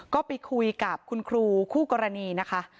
ก็ไปคุยกับคุณครูคู่กรณีนะคะ